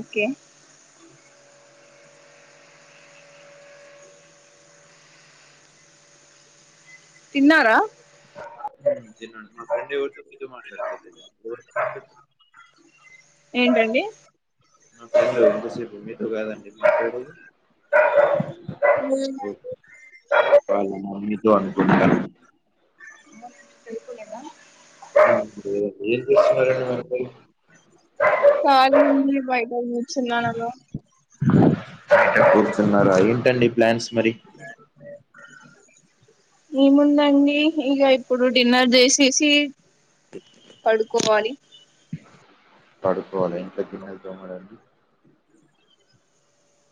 Okay తిన్నారా? [inaudible] తన్నాండి మా friend ఎవరితో మీ మాట్లాడుతవిన్పిస్తుందా ఏంటండి? నా ఫ్రెండ్ ఇంతసేపు మీతో కాదండి మాట్లాడేది లేదండి వాళ్ళ మమ్మీతో అనుకుంటా పడుకోలేదా [unintelligible] కాలి గుండి బయట గూర్చున్నానన్నాను ఆలో బయట కూర్చున్నారా ఏంటండి ప్లాన్స్ మరి ఏముందండి ఇగ ఇప్పుడు డిన్నర్ జెసేసి పడుకోవాలి పడుకోవాలి ఇంట్లో గిన్నెలు తోమరండి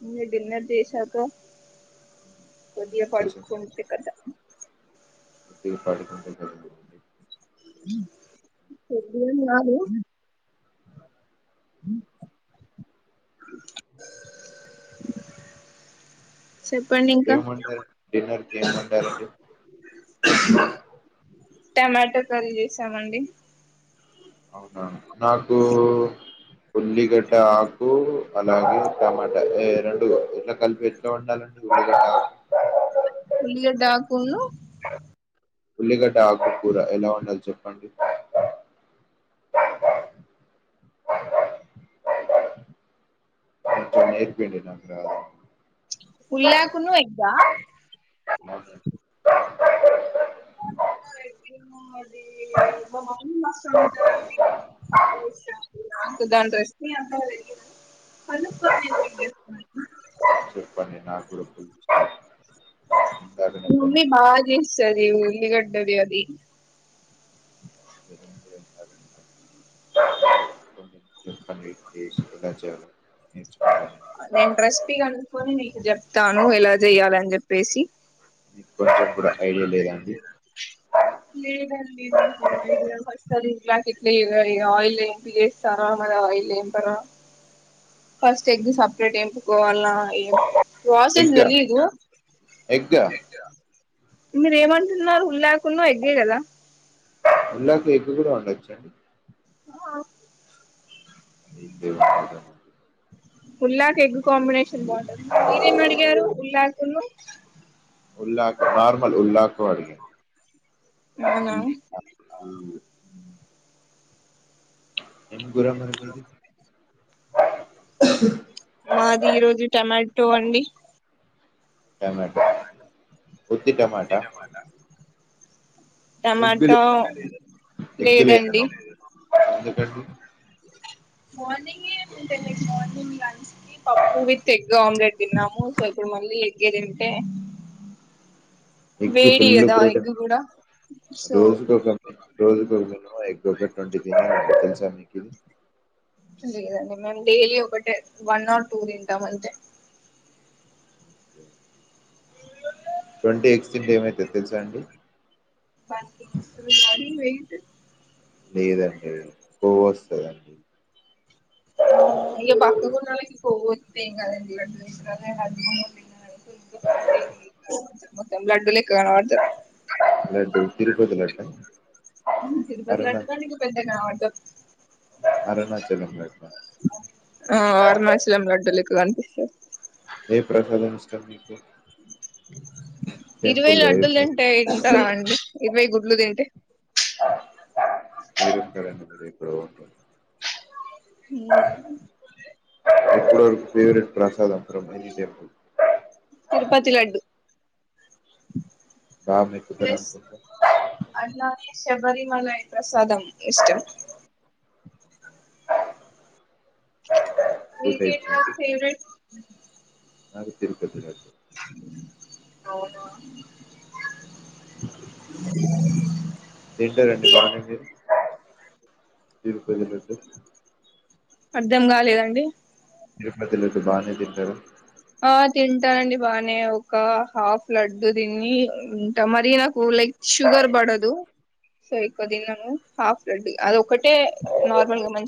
ఇ డిన్నర్ చేశాక కొద్దిగా గిన్నెలు చేసి కడుకుంటె కతం [inaudible] అట్లేమ్ కాదు [unintelligible] [unintelligible] ఇంకా ఏం వండుతారండి డిన్నర్ కి ఏం వండారు టమాటో కర్రీ చేసామండి అవునా నాకు ఉల్లిగడ్డ ఆకు అలాగే టమాటా [unintelligible] [inaudible] ఉల్లిగడ్డాకును ఉల్లిగడ్డ ఆకు కూర ఎలా వండాలి చెప్పండి? వంట నేర్పియండి ఉల్లాకును ఎగ్ హ [unintelligible] ఎగ్ ఏమో మరి మ మమ్మీ మస్త్ ఒండుతాదండి [inaudible] [unintelligible] చెప్పండి నా కూడా కొంచెం మమ్మీ బాగా జెస్తది ఉల్లిగడ్డది అది అదే నేను కూడా ఇందాకనే కొనుక్కున్నాను ఉలవచారు నేను రెసిపీ కనుకోని మీ కు జెప్తాను ఎలా జెయ్యాలి అని చెప్పేసి మీకు కూడా కొద్దిలా ఐడియా లేదా అండి [unintelligible] లేదండి నాకు ఐడియా ఫస్ట్ అది ప్యాకెట్లో ఆయిలెంటి లేస్తార మరి ఆ ఆయిల్ ల ఏంపరా ఫస్ట్ ఎగ్ సపరేట్ ఎంపుకోవాలన ఏం వాసింగ్ ఎగ్గా తెలీయదు ఎగ్గా మీర ఏమంటున్నారు ఉల్లాకున్ను ఎగ్గే గదా ఉల్లాకు ఎగ్ కూడా వండొచ్చండి ఆ [unintelligible] ఉల్లాక్ ఎగ్ కాంబినేషన్ బాగుంటది మీరేం అడిగారు ఉల్లాకును ఉల్లాకు నార్మల్ ఉల్లాకు అడిగాను అవునా [unintelligible] ఎం గూర మరి మీది మాది ఈ రోజు టమాటో అండి టమాటో ఉత్తి టమాటా ఎగ్ లే టమాటో లేదండి అండి మార్నింగే తింటా నేను మార్నింగ్ లంచ్ ఈ పప్పు విత్ ఎగ్ ఆమ్లెట్ తిన్నాము సో ఇప్పుడు మళ్ళీ ఎగ్గే తింటే ఎగ్గు వేడి ఫుల్లు కదా ప్రొటీన్ ఎగ్ కూడా సో రోజుకొక రోజుకొక మే [unintelligible] ఒక ట్వంటీ తినేవాన్నిశతెలుసా మీకు కిను లేదండి మేము డైలీ ఒకటే వన్ ర్ టూ దింటాం అంతే ట్వంటీ ఎగ్స్ ఇంటే ఏమైతది తెలసా అండి లేదండి కొవ్వస్తదండి అవును ఇగ బక్కకున్నోళ్ళకి కొవ్వొత్తే ఏం గాదండి [inaudible] [inaudible] మొత్తం లడ్డులెక్క కనబడతర్ లడ్డు తిరుపతి లడ్డు ఉహూ తిరుపతి అరుణ లడ్డు కంటే ఇంకా పెద్దగా కనబడతారు అరుణాచలం మేడం ఆ అరుణాచలం లడ్డులెక్క గనిపిస్తారు ఏ ప్రసాదం మీకు ఇరవై టెంపుల్లో ఏ లడ్డులు ప్ర- దింటే ఎంత ఎంత లావండి ఇరవై గుడ్లు దింటే తాగింటారు అండి మీరు ఎప్పుడో ఒకసారి హూ ఎప్పుడు ఫేవరెట్ ప్రసాదం from any temple Tirupati laddu బాగా మెక్కుతారు ప్లస్ అనుకుంటా అన్నా శబరిమలై ప్రసాదం ఇష్టం టూ మీకే టైప్స్ కర్రీ అండి ఫేవరెట్ నాకు తిరుపతి లడ్డు అవునా తింటారా అండి బానే మీరు తిరుపతి లడ్డు అర్ధం గాలేదండి దిప్మతి లడ్డు బానే తింటర ఆ తింటా అండి బానే ఒక హాఫ్ లడ్డు దిని ఇంత మరి నాకు లైక్ షుగర్ బడదు సో ఎక్కువ దినను హాఫ్ బ్రెడ్ అదొక్క అంటే నార్మల్ గా మంచి